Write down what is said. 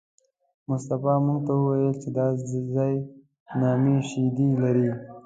مصطفی موږ ته وویل چې دا ځای نامي شیدې لري.